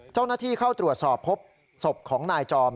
เจ้าหน้าที่เข้าตรวจสอบพบศพของนายจอม